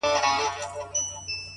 • دوې یې سترګي وې په سر کي غړېدلې,